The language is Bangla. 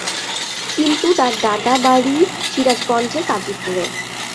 কিন্তু তার দাদা বাড়ী সিরাজগঞ্জের কাজিপুরে।